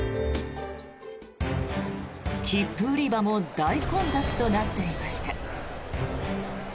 切符売り場も大混雑となっていました。